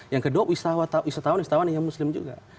yang kedua wisatawan wisatawan yang muslim juga